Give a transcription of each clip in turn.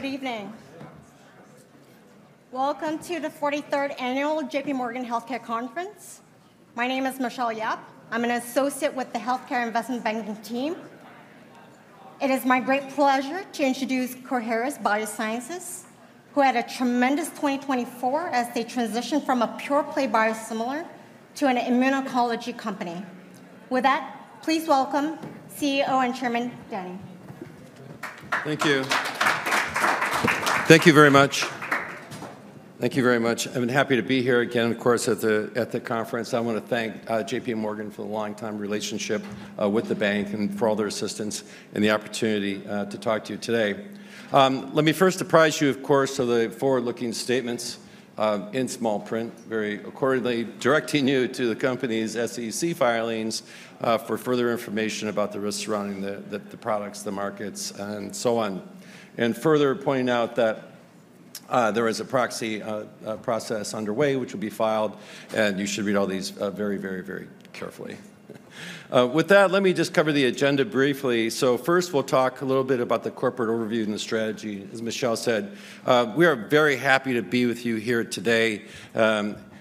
Good evening. Welcome to the 43rd Annual JPMorgan Healthcare Conference. My name is Michelle Yap. I'm an associate with the Healthcare Investment Banking team. It is my great pleasure to introduce Coherus BioSciences, who had a tremendous 2024 as they transitioned from a pure-play biosimilar to an immuno-oncology company. With that, please welcome CEO and Chairman Denny. Thank you. Thank you very much. Thank you very much. I've been happy to be here again, of course, at the conference. I want to thank JPMorgan for the long-time relationship with the bank and for all their assistance and the opportunity to talk to you today. Let me first surprise you, of course, with the forward-looking statements in small print, very accordingly, directing you to the company's SEC filings for further information about the risks surrounding the products, the markets, and so on. And further pointing out that there is a proxy process underway, which will be filed, and you should read all these very, very, very carefully. With that, let me just cover the agenda briefly. So first, we'll talk a little bit about the corporate overview and the strategy. As Michelle said, we are very happy to be with you here today,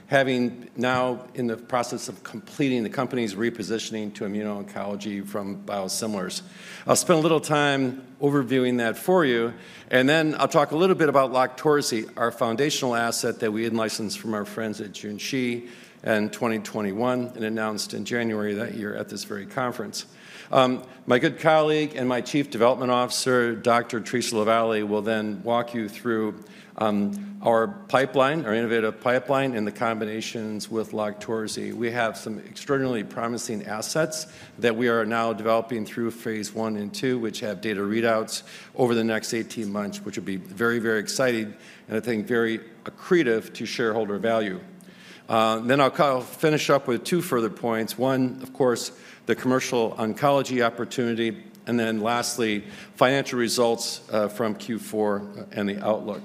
having now in the process of completing the company's repositioning to immuno-oncology from biosimilars. I'll spend a little time overviewing that for you, and then I'll talk a little bit about LOQTORZI, our foundational asset that we licensed from our friends at Junshi in 2021 and announced in January that year at this very conference. My good colleague and my Chief Development Officer, Dr. Theresa LaVallee, will then walk you through our pipeline, our innovative pipeline, and the combinations with LOQTORZI. We have some extraordinarily promising assets that we are now developing through phase I and II, which have data readouts over the next 18 months, which will be very, very exciting and, I think, very accretive to shareholder value. Then I'll finish up with two further points. One, of course, the commercial oncology opportunity, and then lastly, financial results from Q4 and the outlook.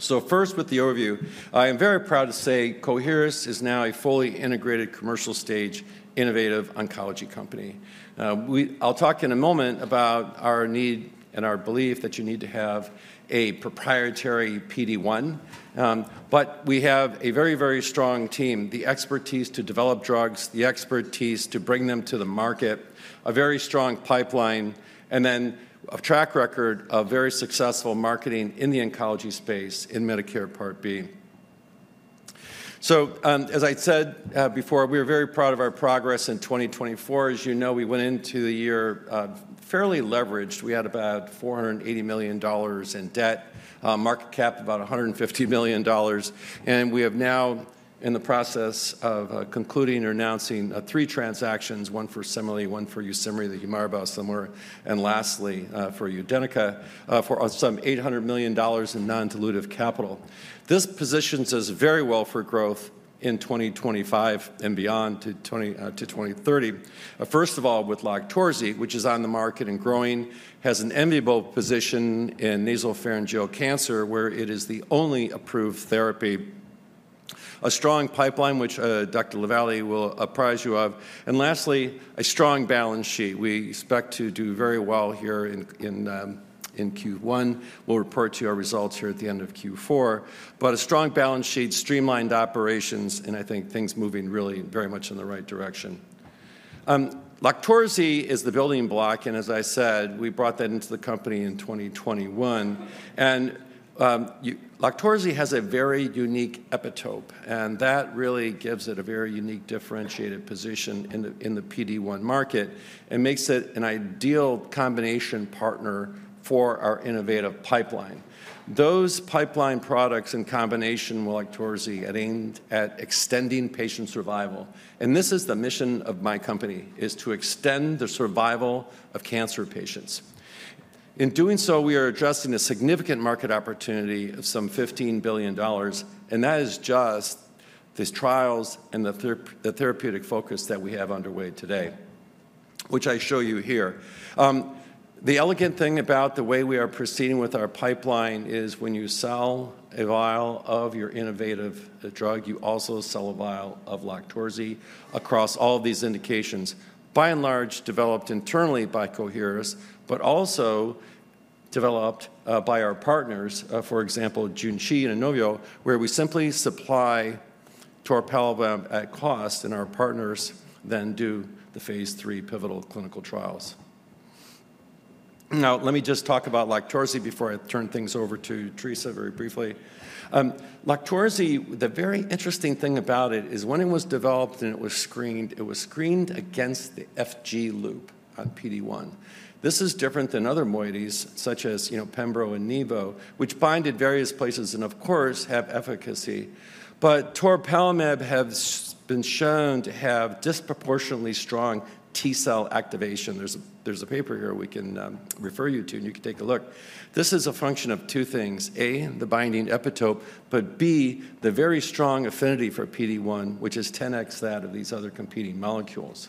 So first, with the overview, I am very proud to say Coherus is now a fully integrated commercial stage innovative oncology company. I'll talk in a moment about our need and our belief that you need to have a proprietary PD-1, but we have a very, very strong team, the expertise to develop drugs, the expertise to bring them to the market, a very strong pipeline, and then a track record of very successful marketing in the oncology space in Medicare Part B. So as I said before, we are very proud of our progress in 2024. As you know, we went into the year fairly leveraged. We had about $480 million in debt, market cap about $150 million, and we are now in the process of concluding or announcing three transactions, one for CIMERLI, one for YUSIMRI, the Humira biosimilar, and lastly, for UDENYCA for some $800 million in non-dilutive capital. This positions us very well for growth in 2025 and beyond to 2030. First of all, with LOQTORZI, which is on the market and growing, has an enviable position in nasopharyngeal cancer, where it is the only approved therapy. A strong pipeline, which Dr. Lavallee will apprise you of. And lastly, a strong balance sheet. We expect to do very well here in Q1. We'll report to you our results here at the end of Q4, but a strong balance sheet, streamlined operations, and I think things moving really very much in the right direction. LOQTORZI is the building block, and as I said, we brought that into the company in 2021 and LOQTORZI has a very unique epitope, and that really gives it a very unique differentiated position in the PD-1 market and makes it an ideal combination partner for our innovative pipeline. Those pipeline products in combination with LOQTORZI aimed at extending patient survival and this is the mission of my company, is to extend the survival of cancer patients. In doing so, we are addressing a significant market opportunity of some $15 billion, and that is just the trials and the therapeutic focus that we have underway today, which I show you here. The elegant thing about the way we are proceeding with our pipeline is when you sell a vial of your innovative drug, you also sell a vial of LOQTORZI across all of these indications, by and large developed internally by Coherus, but also developed by our partners, for example, Junshi and Inovio, where we simply supply to our parallel lab at cost, and our partners then do the phase III pivotal clinical trials. Now, let me just talk about LOQTORZI before I turn things over to Theresa very briefly. LOQTORZI, the very interesting thing about it is when it was developed and it was screened, it was screened against the FG loop on PD-1. This is different than other moieties such as Pembro and Nivo, which bind at various places and, of course, have efficacy. But toripalimab have been shown to have disproportionately strong T cell activation. There's a paper here we can refer you to, and you can take a look. This is a function of two things: A, the binding epitope, but B, the very strong affinity for PD-1, which is 10x that of these other competing molecules.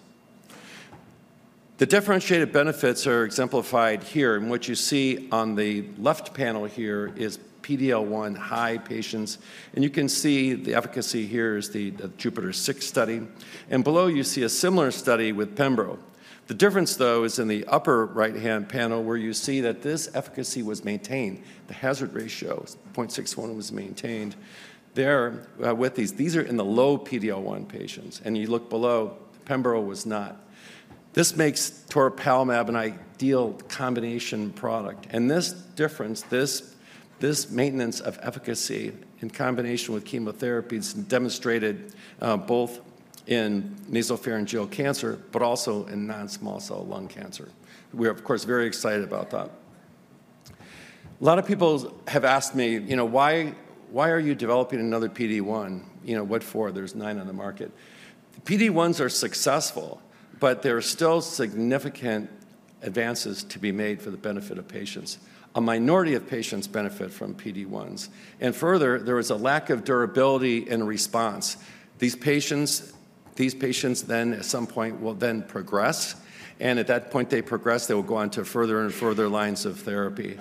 The differentiated benefits are exemplified here, and what you see on the left panel here is PD-L1 high patients, and you can see the efficacy here is the JUPITER-06 study, and below, you see a similar study with Pembro. The difference, though, is in the upper right-hand panel where you see that this efficacy was maintained. The hazard ratio 0.61 was maintained there with these. These are in the low PD-L1 patients, and you look below, Pembro was not. This makes toward toripalimab an ideal combination product. This difference, this maintenance of efficacy in combination with chemotherapy is demonstrated both in nasopharyngeal cancer, but also in non-small cell lung cancer. We are, of course, very excited about that. A lot of people have asked me, you know, why are you developing another PD-1? You know, what for? There's nine on the market. PD-1s are successful, but there are still significant advances to be made for the benefit of patients. A minority of patients benefit from PD-1s. Further, there is a lack of durability and response. These patients, then at some point, will then progress, and at that point, they progress, they will go on to further and further lines of therapy.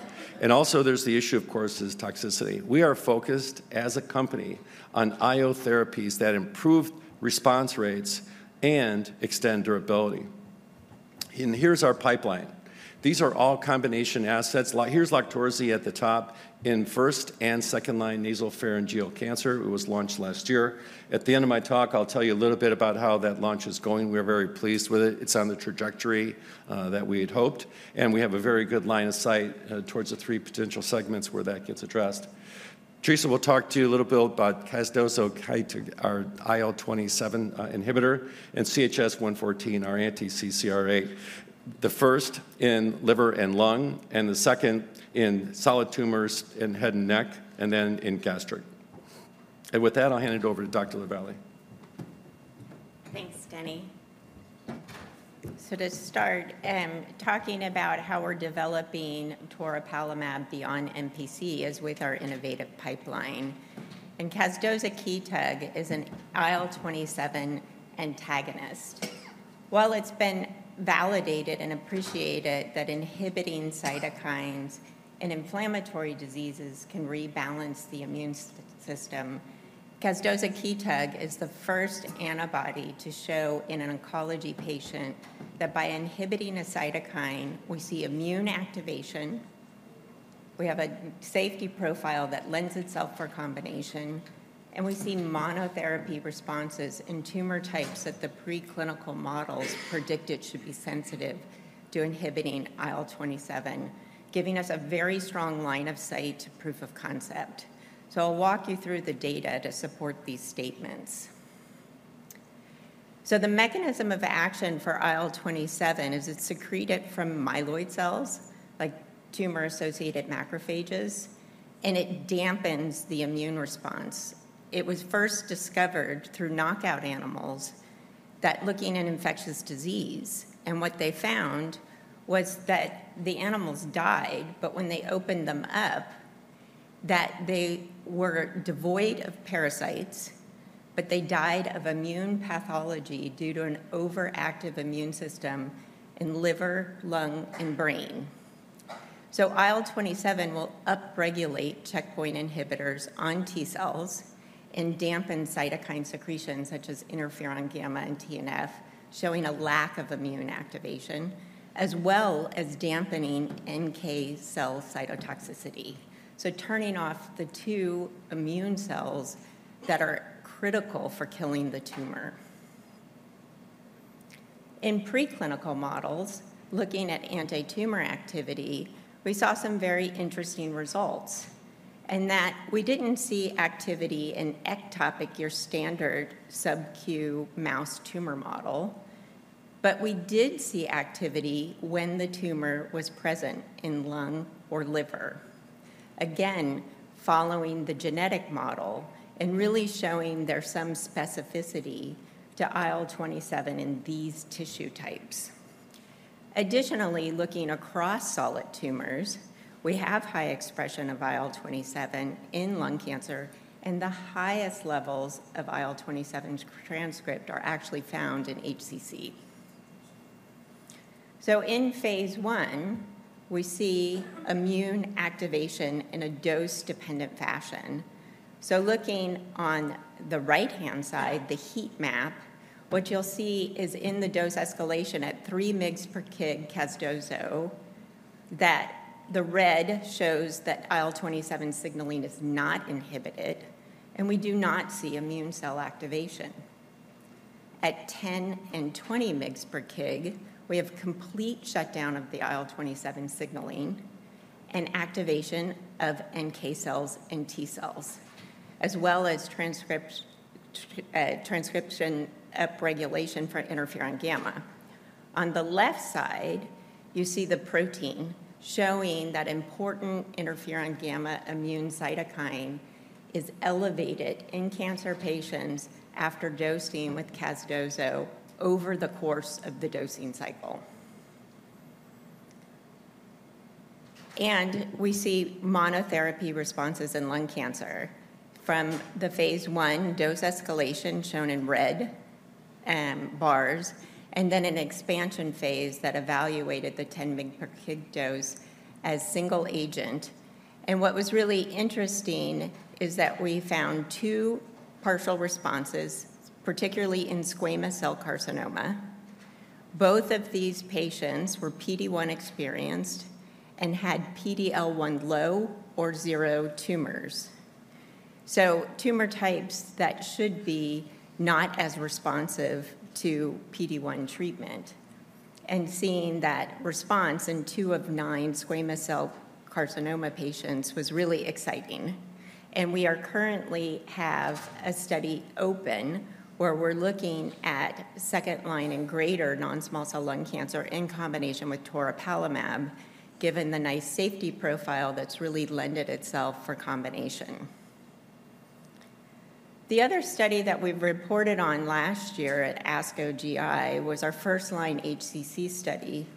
Also, there's the issue, of course, is toxicity. We are focused as a company on IO therapies that improve response rates and extend durability. Here's our pipeline. These are all combination assets. Here's LOQTORZI at the top in first- and second-line nasopharyngeal cancer. It was launched last year. At the end of my talk, I'll tell you a little bit about how that launch is going. We are very pleased with it. It's on the trajectory that we had hoped, and we have a very good line of sight towards the three potential segments where that gets addressed. Theresa will talk to you a little bit about casdozokitug, our IL-27 inhibitor, and CHS-114, our anti-CCR8. The first in liver and lung, and the second in solid tumors in head and neck, and then in gastric. And with that, I'll hand it over to Dr. LaVallee. Thanks, Denny, so to start, talking about how we're developing toripalimab beyond NPC is with our innovative pipeline, and casdozokitug is an IL-27 antagonist. While it's been validated and appreciated that inhibiting cytokines in inflammatory diseases can rebalance the immune system, casdozokitug is the first antibody to show in an oncology patient that by inhibiting a cytokine, we see immune activation, we have a safety profile that lends itself for combination, and we see monotherapy responses in tumor types that the preclinical models predicted should be sensitive to inhibiting IL-27, giving us a very strong line of sight to proof of concept, so I'll walk you through the data to support these statements, so the mechanism of action for IL-27 is it's secreted from myeloid cells, like tumor-associated macrophages, and it dampens the immune response. It was first discovered through knockout animals that looking at infectious disease, and what they found was that the animals died, but when they opened them up, that they were devoid of parasites, but they died of immune pathology due to an overactive immune system in liver, lung, and brain. So IL-27 will upregulate checkpoint inhibitors on T cells and dampen cytokine secretion such as interferon gamma and TNF, showing a lack of immune activation, as well as dampening NK cell cytotoxicity. So turning off the two immune cells that are critical for killing the tumor. In preclinical models, looking at anti-tumor activity, we saw some very interesting results, and that we didn't see activity in ectopic, your standard sub-Q mouse tumor model, but we did see activity when the tumor was present in lung or liver. Again, following the genetic model and really showing there's some specificity to IL-27 in these tissue types. Additionally, looking across solid tumors, we have high expression of IL-27 in lung cancer, and the highest levels of IL-27 transcript are actually found in HCC. So in phase I, we see immune activation in a dose-dependent fashion. So looking on the right-hand side, the heat map, what you'll see is in the dose escalation at three mg per kg casdozokitug, that the red shows that IL-27 signaling is not inhibited, and we do not see immune cell activation. At 10 and 20 mg per kg, we have complete shutdown of the IL-27 signaling and activation of NK cells and T cells, as well as transcription upregulation for interferon gamma. On the left side, you see the protein showing that important interferon gamma immune cytokine is elevated in cancer patients after dosing with casdozokitug over the course of the dosing cycle. We see monotherapy responses in lung cancer from the phase I dose escalation shown in red bars, and then an expansion phase that evaluated the 10 mg/kg dose as single agent. What was really interesting is that we found two partial responses, particularly in squamous cell carcinoma. Both of these patients were PD-1 experienced and had PD-L1 low or zero tumors. Tumor types that should be not as responsive to PD-1 treatment and seeing that response in two of nine squamous cell carcinoma patients was really exciting. We currently have a study open where we're looking at second line and greater non-small cell lung cancer in combination with toripalimab, given the nice safety profile that's really lent itself for combination. The other study that we reported on last year at ASCO GI was our first line HCC study.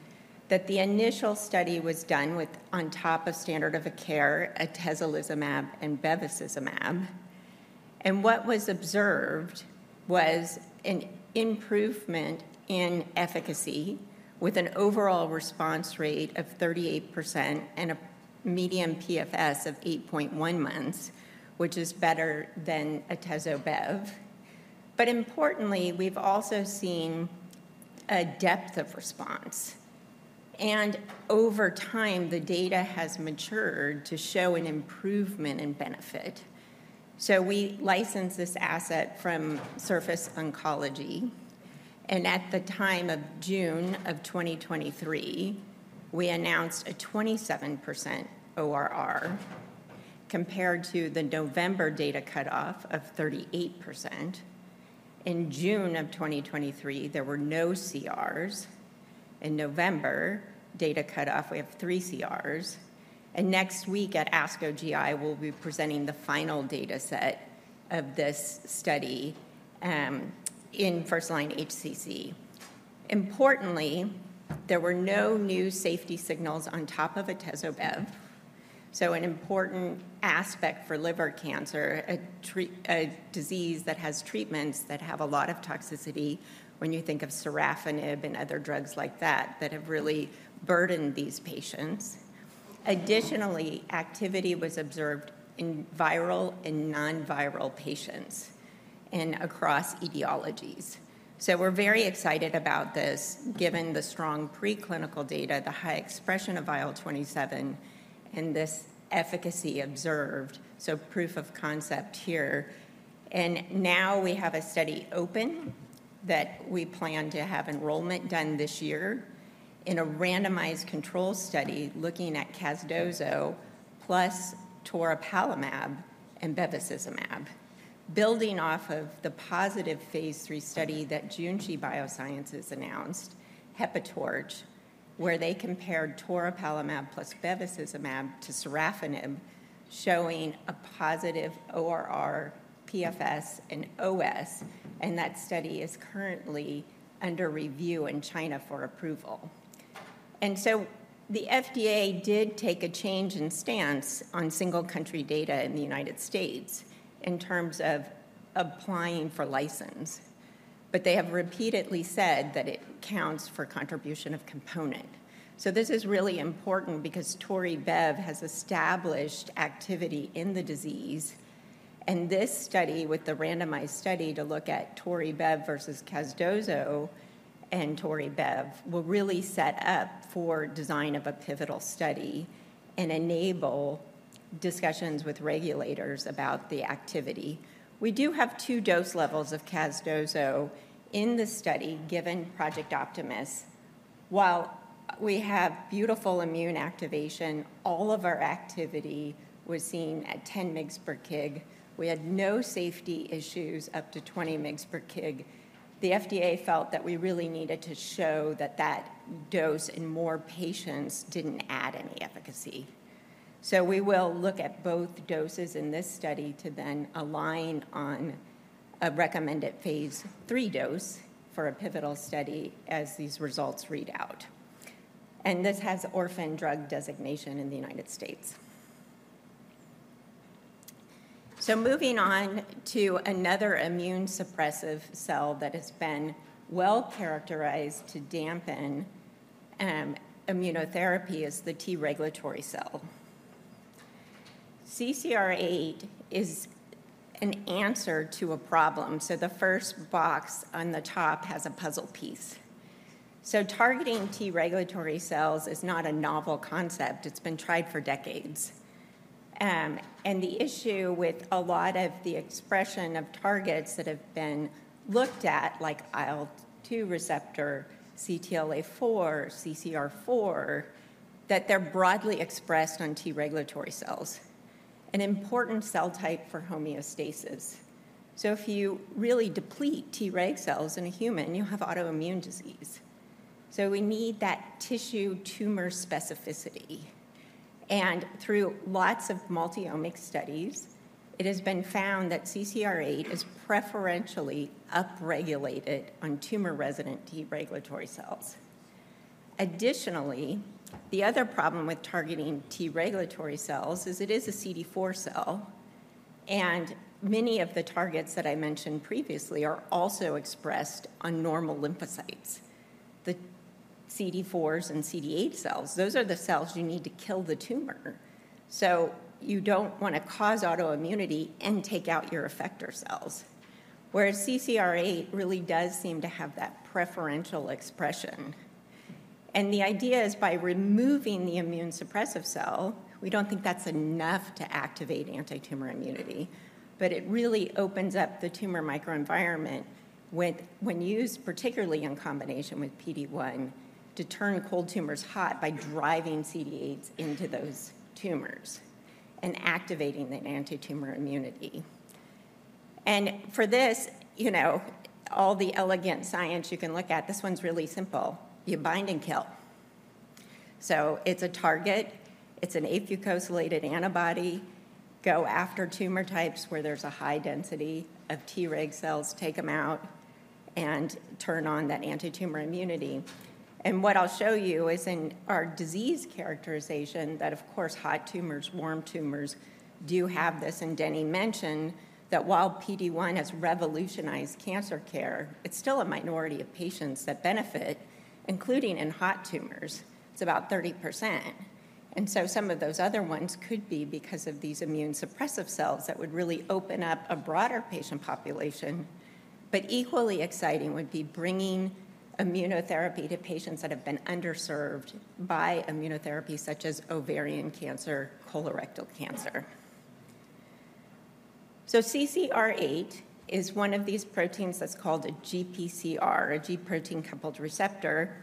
The initial study was done on top of standard of care, atezolizumab and bevacizumab, and what was observed was an improvement in efficacy with an overall response rate of 38% and a median PFS of 8.1 months, which is better than atezo-bev. But importantly, we've also seen a depth of response, and over time, the data has matured to show an improvement in benefit. We licensed this asset from Surface Oncology, and at the time of June of 2023, we announced a 27% ORR compared to the November data cutoff of 38%. In June of 2023, there were no CRs. In November data cutoff, we have three CRs, and next week at ASCO GI, we'll be presenting the final data set of this study in first line HCC. Importantly, there were no new safety signals on top of atezo-bev, so an important aspect for liver cancer, a disease that has treatments that have a lot of toxicity when you think of sorafenib and other drugs like that that have really burdened these patients. Additionally, activity was observed in viral and non-viral patients and across etiologies. So we're very excited about this, given the strong preclinical data, the high expression of IL-27, and this efficacy observed, so proof of concept here. And now we have a study open that we plan to have enrollment done this year in a randomized control study looking at casdozokitug plus toripalimab and bevacizumab, building off of the positive phase III study that Junshi Biosciences announced, HepaTorch, where they compared toripalimab plus bevacizumab to sorafenib, showing a positive ORR, PFS, and OS, and that study is currently under review in China for approval. And so the FDA did take a change in stance on single country data in the United States in terms of applying for license, but they have repeatedly said that it counts for contribution of component. This is really important because toripalimab + bevacizumab has established activity in the disease, and this study with the randomized study to look at toripalimab + bevacizumab versus casdozokitug and toripalimab + bevacizumab will really set up for design of a pivotal study and enable discussions with regulators about the activity. We do have two dose levels of casdozokitug in the study given Project Optimus. While we have beautiful immune activation, all of our activity was seen at 10 mg per kg. We had no safety issues up to 20 mg per kg. The FDA felt that we really needed to show that that dose in more patients didn't add any efficacy. We will look at both doses in this study to then align on a recommended phase III dose for a pivotal study as these results read out. This has orphan drug designation in the United States. Moving on to another immune suppressive cell that has been well characterized to dampen immunotherapy is the T regulatory cell. CCR8 is an answer to a problem. The first box on the top has a puzzle piece. Targeting T regulatory cells is not a novel concept. It's been tried for decades. The issue with a lot of the expression of targets that have been looked at, like IL-2 receptor, CTLA-4, CCR4, that they're broadly expressed on T regulatory cells, an important cell type for homeostasis. If you really deplete Treg cells in a human, you'll have autoimmune disease. We need that tissue tumor specificity. Through lots of multi-omic studies, it has been found that CCR8 is preferentially upregulated on tumor resident T regulatory cells. Additionally, the other problem with targeting T regulatory cells is it is a CD4 cell, and many of the targets that I mentioned previously are also expressed on normal lymphocytes. The CD4s and CD8 cells, those are the cells you need to kill the tumor. So you don't want to cause autoimmunity and take out your effector cells, whereas CCR8 really does seem to have that preferential expression. And the idea is by removing the immune suppressive cell, we don't think that's enough to activate anti-tumor immunity, but it really opens up the tumor microenvironment when used particularly in combination with PD1 to turn cold tumors hot by driving CD8s into those tumors and activating the anti-tumor immunity. And for this, you know all the elegant science you can look at, this one's really simple. You bind and kill. It's a target. It's an afucosylated antibody. Go after tumor types where there's a high density of Treg cells, take them out and turn on that anti-tumor immunity. What I'll show you is in our disease characterization that, of course, hot tumors, warm tumors do have this. Denny mentioned that while PD-1 has revolutionized cancer care, it's still a minority of patients that benefit, including in hot tumors. It's about 30%. Some of those other ones could be because of these immune suppressive cells that would really open up a broader patient population. Equally exciting would be bringing immunotherapy to patients that have been underserved by immunotherapy, such as ovarian cancer, colorectal cancer. So, CCR8 is one of these proteins that's called a GPCR, a G protein-coupled receptor,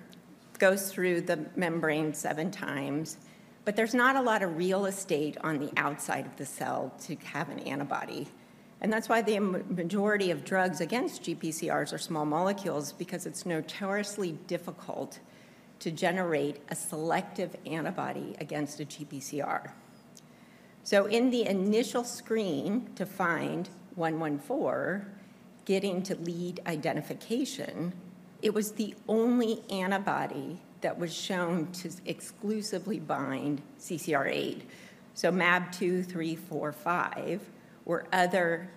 goes through the membrane seven times, but there's not a lot of real estate on the outside of the cell to have an antibody. And that's why the majority of drugs against GPCRs are small molecules, because it's notoriously difficult to generate a selective antibody against a GPCR. So, in the initial screen to find 114, getting to lead identification, it was the only antibody that was shown to exclusively bind CCR8. So, mAb2, 3, 4, 5 were other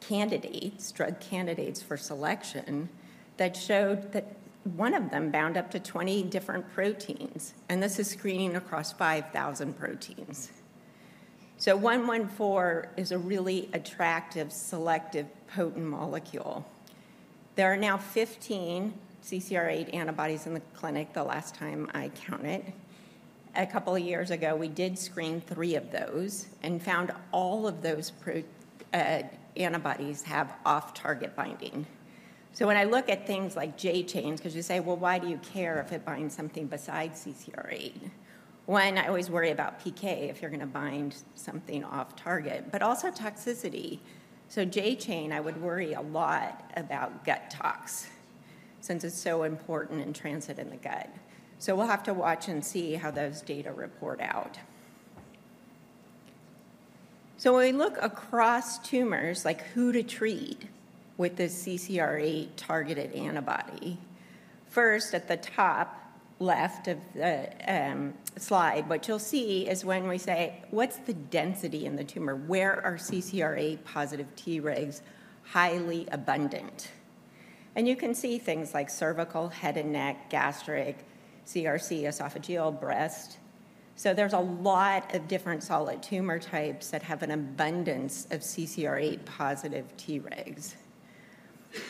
candidates, drug candidates for selection that showed that one of them bound up to 20 different proteins, and this is screening across 5,000 proteins. So, 114 is a really attractive selective potent molecule. There are now 15 CCR8 antibodies in the clinic the last time I counted. A couple of years ago, we did screen three of those and found all of those antibodies have off-target binding. So when I look at things like J chains, because you say, well, why do you care if it binds something besides CCR8? One, I always worry about PK if you're going to bind something off-target, but also toxicity. So J chain, I would worry a lot about gut tox since it's so important in transit in the gut. So we'll have to watch and see how those data report out. So when we look across tumors, like who to treat with the CCR8 targeted antibody, first at the top left of the slide, what you'll see is when we say, what's the density in the tumor? Where are CCR8-positive Tregs highly abundant? And you can see things like cervical, head and neck, gastric, CRC, esophageal, breast. There's a lot of different solid tumor types that have an abundance of CCR8 positive Tregs.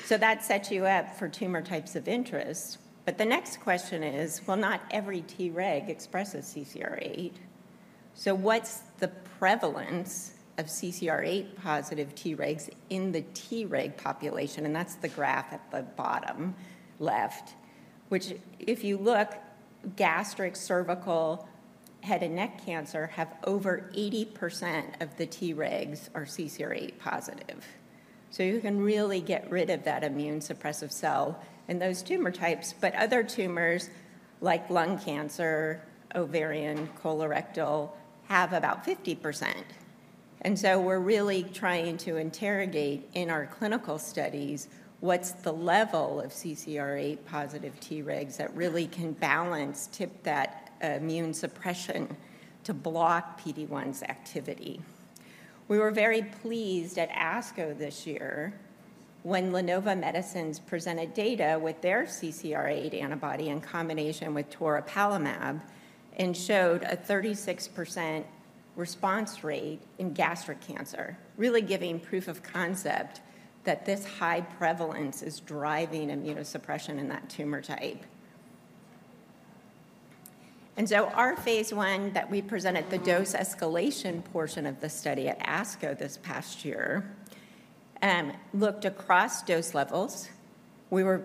That sets you up for tumor types of interest. The next question is, not every Treg expresses CCR8. What's the prevalence of CCR8 positive Tregs in the Treg population? That's the graph at the bottom left, which if you look, gastric, cervical, head and neck cancer have over 80% of the Tregs are CCR8 positive. You can really get rid of that immune suppressive cell in those tumor types. Other tumors like lung cancer, ovarian, colorectal have about 50%. We're really trying to interrogate in our clinical studies what's the level of CCR8 positive Tregs that really can balance, tip that immune suppression to block PD-1's activity. We were very pleased at ASCO this year when LaNova Medicines presented data with their CCR8 antibody in combination with toripalimab and showed a 36% response rate in gastric cancer, really giving proof of concept that this high prevalence is driving immunosuppression in that tumor type. And so our phase I that we presented the dose escalation portion of the study at ASCO this past year looked across dose levels. We were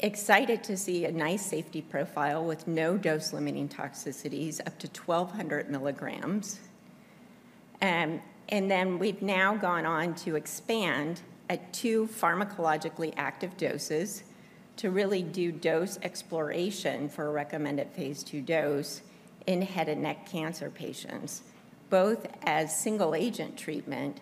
excited to see a nice safety profile with no dose limiting toxicities up to 1,200 mg. And then we've now gone on to expand at two pharmacologically active doses to really do dose exploration for a recommended phase II dose in head and neck cancer patients, both as single agent treatment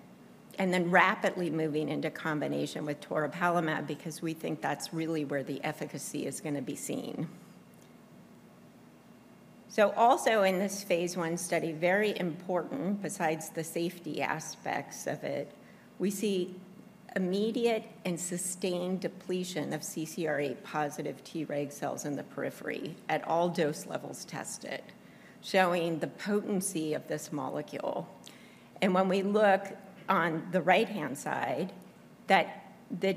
and then rapidly moving into combination with toripalimab because we think that's really where the efficacy is going to be seen. So also in this phase I study, very important besides the safety aspects of it, we see immediate and sustained depletion of CCR8-positive Treg cells in the periphery at all dose levels tested, showing the potency of this molecule. And when we look on the right-hand side, that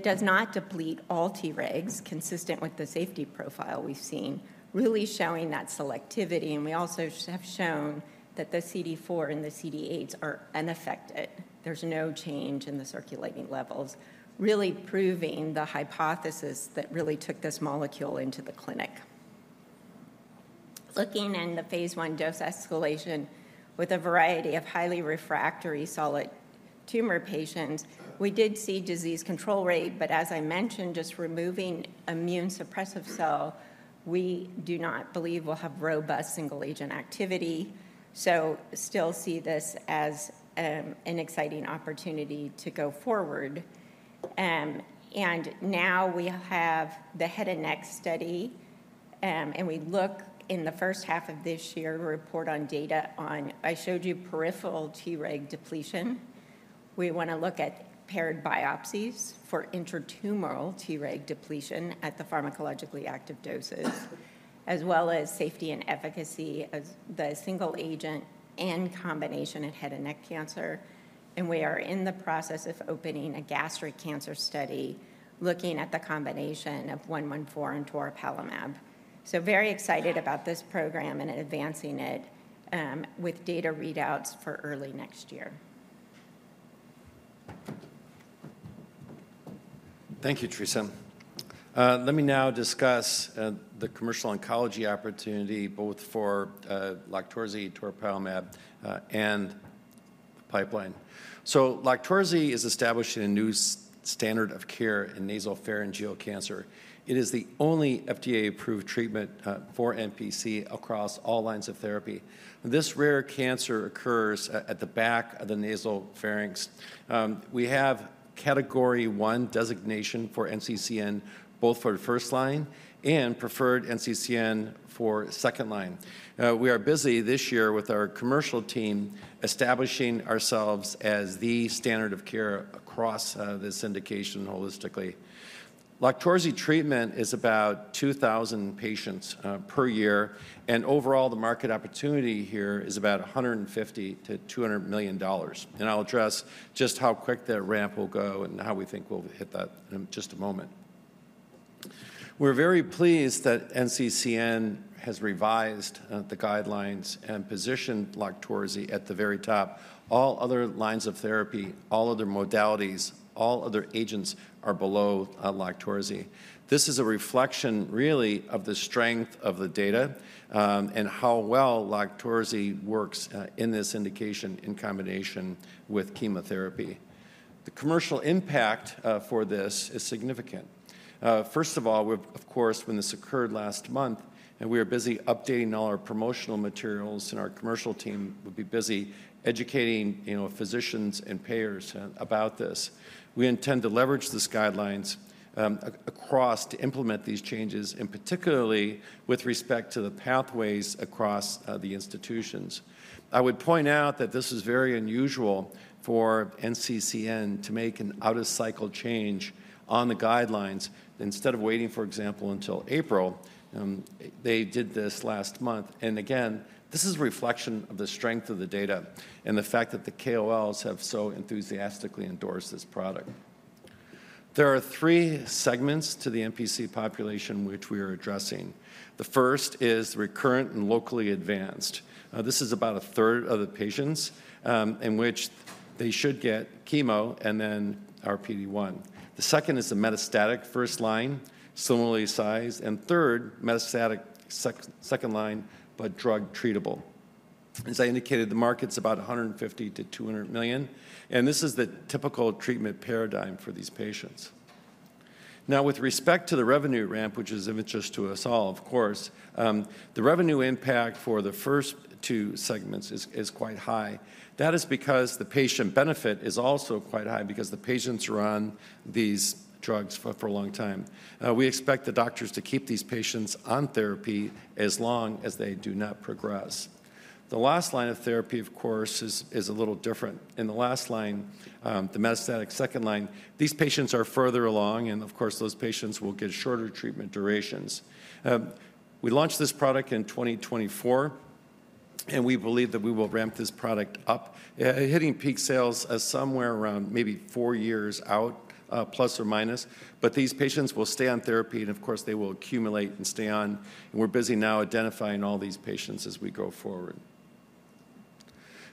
does not deplete all Tregs consistent with the safety profile we've seen, really showing that selectivity. And we also have shown that the CD4 and the CD8s are unaffected. There's no change in the circulating levels, really proving the hypothesis that really took this molecule into the clinic. Looking in the phase I dose escalation with a variety of highly refractory solid tumor patients, we did see disease control rate, but as I mentioned, just removing immune suppressive cell, we do not believe we'll have robust single agent activity. So still see this as an exciting opportunity to go forward. And now we have the head and neck study, and we look in the first half of this year report on data on, I showed you peripheral Treg depletion. We want to look at paired biopsies for intratumoral Treg depletion at the pharmacologically active doses, as well as safety and efficacy as the single agent and combination in head and neck cancer. And we are in the process of opening a gastric cancer study looking at the combination of 114 and toripalimab. So very excited about this program and advancing it with data readouts for early next year. Thank you, Theresa. Let me now discuss the commercial oncology opportunity both for LOQTORZI, toripalimab, and pipeline. So LOQTORZI is establishing a new standard of care in nasopharyngeal cancer. It is the only FDA-approved treatment for NPC across all lines of therapy. This rare cancer occurs at the back of the nasopharynx. We have category one designation for NCCN, both for the first line and preferred NCCN for second line. We are busy this year with our commercial team establishing ourselves as the standard of care across this indication holistically. LOQTORZI treatment is about 2,000 patients per year, and overall the market opportunity here is about $150 million-$200 million. And I'll address just how quick that ramp will go and how we think we'll hit that in just a moment. We're very pleased that NCCN has revised the guidelines and positioned LOQTORZI at the very top. All other lines of therapy, all other modalities, all other agents are below LOQTORZI. This is a reflection really of the strength of the data and how well LOQTORZI works in this indication in combination with chemotherapy. The commercial impact for this is significant. First of all, of course, when this occurred last month, and we are busy updating all our promotional materials and our commercial team will be busy educating physicians and payers about this. We intend to leverage these guidelines across to implement these changes, and particularly with respect to the pathways across the institutions. I would point out that this is very unusual for NCCN to make an out-of-cycle change on the guidelines. Instead of waiting, for example, until April, they did this last month. And again, this is a reflection of the strength of the data and the fact that the KOLs have so enthusiastically endorsed this product. There are three segments to the NPC population which we are addressing. The first is recurrent and locally advanced. This is about a third of the patients in which they should get chemo and then PD-1. The second is the metastatic first line, similarly sized, and third, metastatic second line, but drug treatable. As I indicated, the market's about $150 million-$200 million, and this is the typical treatment paradigm for these patients. Now, with respect to the revenue ramp, which is of interest to us all, of course, the revenue impact for the first two segments is quite high. That is because the patient benefit is also quite high because the patients are on these drugs for a long time. We expect the doctors to keep these patients on therapy as long as they do not progress. The last line of therapy, of course, is a little different. In the last line, the metastatic second line, these patients are further along, and of course, those patients will get shorter treatment durations. We launched this product in 2024, and we believe that we will ramp this product up, hitting peak sales somewhere around maybe four years out, plus or minus, but these patients will stay on therapy, and of course, they will accumulate and stay on. And we're busy now identifying all these patients as we go forward.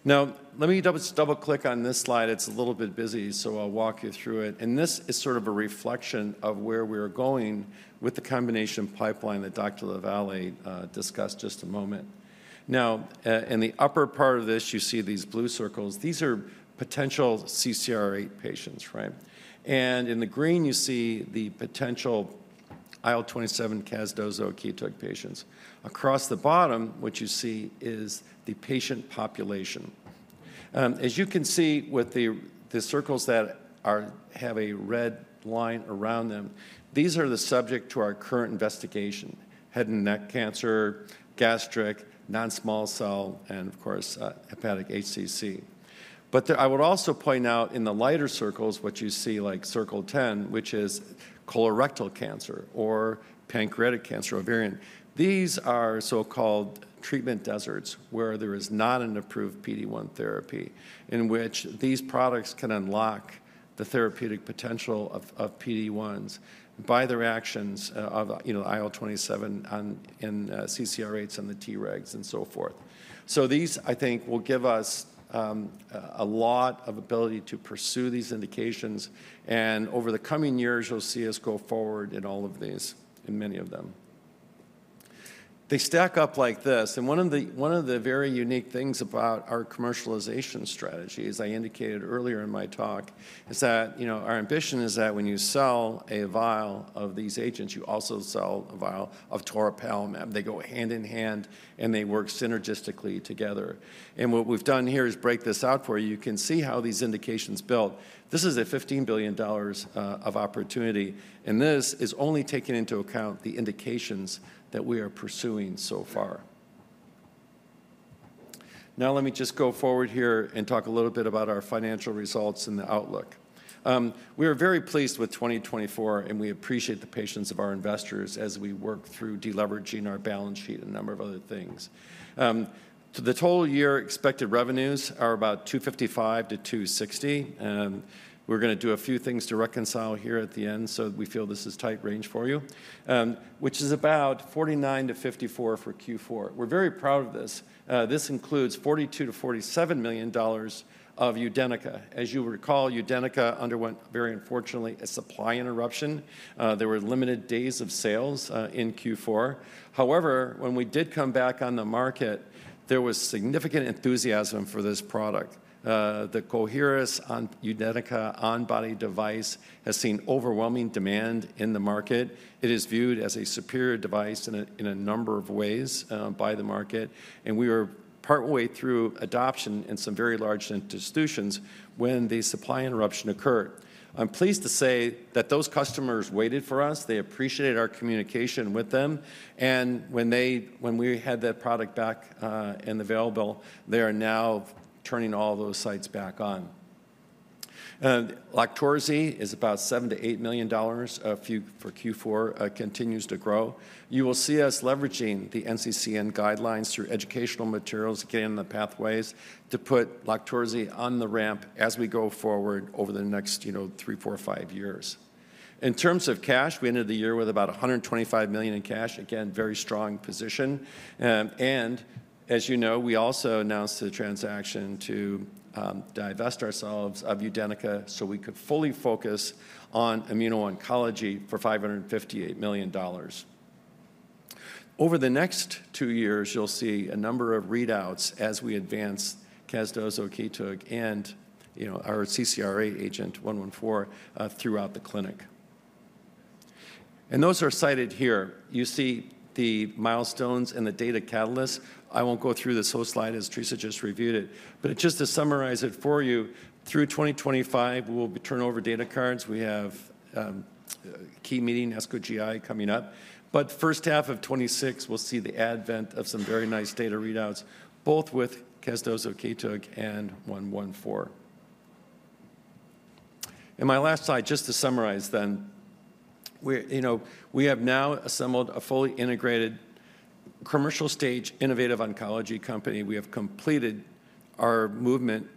Now, let me double-click on this slide. It's a little bit busy, so I'll walk you through it. And this is sort of a reflection of where we are going with the combination pipeline that Dr. Lavallee discussed just a moment. Now, in the upper part of this, you see these blue circles. These are potential CCR8 patients, right? In the green, you see the potential IL-27 casdozokitug patients. Across the bottom, what you see is the patient population. As you can see with the circles that have a red line around them, these are the subjects of our current investigation: head and neck cancer, gastric, non-small cell, and of course, hepatic HCC. But I would also point out in the lighter circles, what you see like circle 10, which is colorectal cancer or pancreatic cancer, ovarian. These are so-called treatment deserts where there is not an approved PD-1 therapy in which these products can unlock the therapeutic potential of PD-1s by their actions on IL-27 and CCR8s and the Tregs and so forth. These, I think, will give us a lot of ability to pursue these indications, and over the coming years, you'll see us go forward in all of these, in many of them. They stack up like this, and one of the very unique things about our commercialization strategies, I indicated earlier in my talk, is that our ambition is that when you sell a vial of these agents, you also sell a vial of toripalimab. They go hand in hand, and they work synergistically together. What we've done here is break this out for you. You can see how these indications built. This is a $15 billion opportunity, and this is only taking into account the indications that we are pursuing so far. Now, let me just go forward here and talk a little bit about our financial results and the outlook. We are very pleased with 2024, and we appreciate the patience of our investors as we work through deleveraging our balance sheet and a number of other things. The total year expected revenues are about $255-$260. We're going to do a few things to reconcile here at the end, so we feel this is a tight range for you, which is about $49-$54 for Q4. We're very proud of this. This includes $42 million-$47 million of UDENYCA. As you recall, UDENYCA underwent, very unfortunately, a supply interruption. There were limited days of sales in Q4. However, when we did come back on the market, there was significant enthusiasm for this product. The Coherus UDENYCA on-body device has seen overwhelming demand in the market. It is viewed as a superior device in a number of ways by the market, and we were partway through adoption in some very large institutions when the supply interruption occurred. I'm pleased to say that those customers waited for us. They appreciated our communication with them, and when we had that product back and available, they are now turning all those sites back on. LOQTORZI is about $7 million-$8 million for Q4, continues to grow. You will see us leveraging the NCCN guidelines through educational materials, getting in the pathways to put LOQTORZI on the ramp as we go forward over the next three, four, five years. In terms of cash, we ended the year with about $125 million in cash, again, very strong position. As you know, we also announced the transaction to divest ourselves of UDENYCA so we could fully focus on immuno-oncology for $558 million. Over the next two years, you'll see a number of readouts as we advance casdozokitug and our CCR8 agent CHS-114 throughout the clinic. Those are cited here. You see the milestones and the data catalysts. I won't go through this whole slide as Theresa just reviewed it, but just to summarize it for you, through 2025, we will turn over data cards. We have a key meeting, ASCO GI coming up, but first half of 2026, we'll see the advent of some very nice data readouts, both with casdozokitug and CHS-114. My last slide, just to summarize then, we have now assembled a fully integrated commercial stage innovative oncology company. We have completed our movement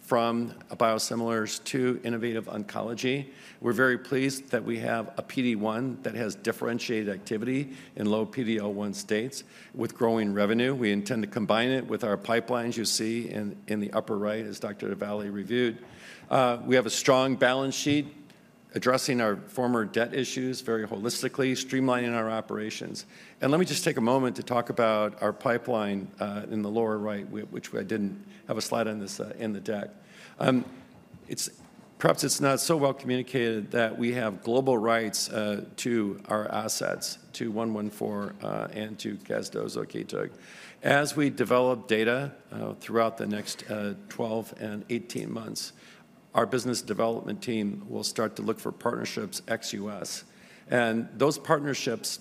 from biosimilars to innovative oncology. We're very pleased that we have a PD-1 that has differentiated activity in low PD-L1 states with growing revenue. We intend to combine it with our pipelines you see in the upper right, as Dr. Lavallee reviewed. We have a strong balance sheet addressing our former debt issues very holistically, streamlining our operations. Let me just take a moment to talk about our pipeline in the lower right, which I didn't have a slide on this in the deck. Perhaps it's not so well communicated that we have global rights to our assets, to CHS-114 and to casdozokitug. As we develop data throughout the next 12 and 18 months, our business development team will start to look for partnerships ex-U.S. Those partnerships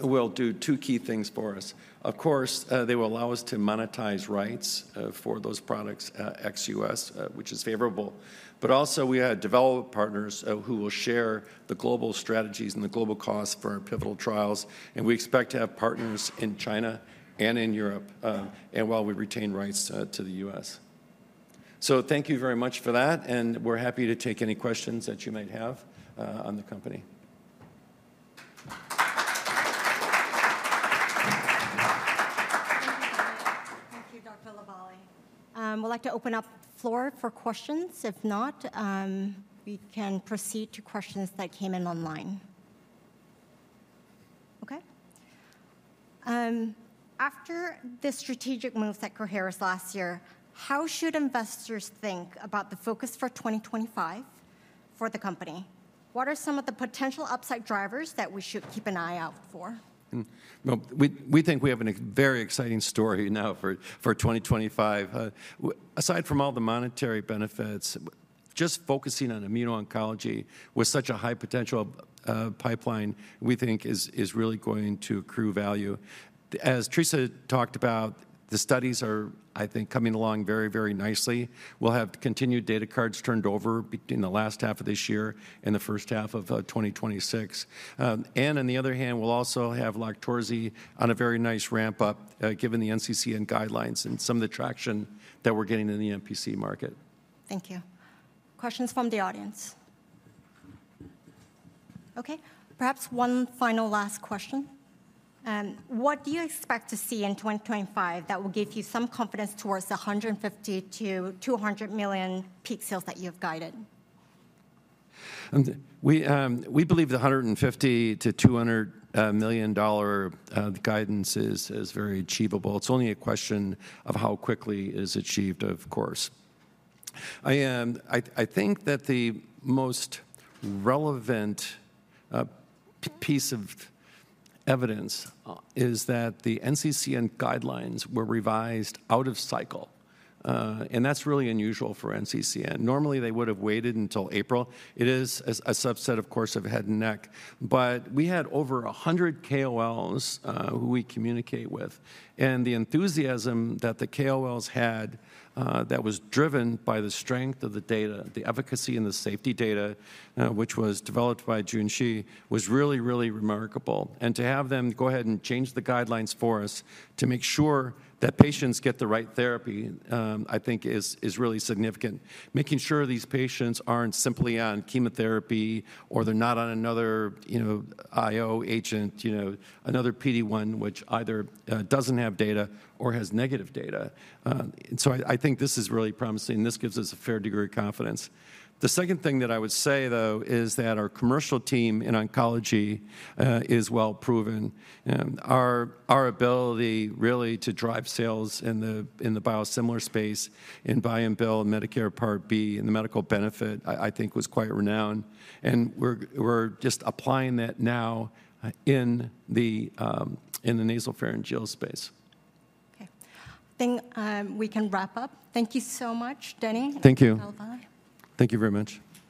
will do two key things for us. Of course, they will allow us to monetize rights for those products ex-U.S, which is favorable, but also we have development partners who will share the global strategies and the global costs for our pivotal trials, and we expect to have partners in China and in Europe while we retain rights to the U.S. So thank you very much for that, and we're happy to take any questions that you might have on the company. Thank you, Dr. LaVallee. We'd like to open up the floor for questions. If not, we can proceed to questions that came in online. Okay. After the strategic moves at Coherus last year, how should investors think about the focus for 2025 for the company? What are some of the potential upside drivers that we should keep an eye out for? We think we have a very exciting story now for 2025. Aside from all the monetary benefits, just focusing on immuno-oncology with such a high potential pipeline, we think, is really going to accrue value. As Theresa talked about, the studies are, I think, coming along very, very nicely. We'll have continued data cards turned over between the last half of this year and the first half of 2026. And on the other hand, we'll also have LOQTORZI on a very nice ramp-up given the NCCN guidelines and some of the traction that we're getting in the NPC market. Thank you. Questions from the audience? Okay. Perhaps one final last question. What do you expect to see in 2025 that will give you some confidence towards the $150 million-$200 million peak sales that you have guided? We believe the $150 million-$200 million guidance is very achievable. It's only a question of how quickly it is achieved, of course. I think that the most relevant piece of evidence is that the NCCN guidelines were revised out of cycle, and that's really unusual for NCCN. Normally, they would have waited until April. It is a subset, of course, of head and neck, but we had over 100 KOLs who we communicate with, and the enthusiasm that the KOLs had that was driven by the strength of the data, the efficacy and the safety data, which was developed by Junshi, was really, really remarkable, and to have them go ahead and change the guidelines for us to make sure that patients get the right therapy, I think, is really significant, making sure these patients aren't simply on chemotherapy or they're not on another IO agent, another PD1, which either doesn't have data or has negative data. So I think this is really promising, and this gives us a fair degree of confidence. The second thing that I would say, though, is that our commercial team in oncology is well proven. Our ability really to drive sales in the biosimilar space in buy-and-bill, Medicare Part B, and the medical benefit, I think, was quite renowned, and we're just applying that now in the nasopharyngeal space. Okay. I think we can wrap up. Thank you so much, Denny. Thank you. Thank you very much.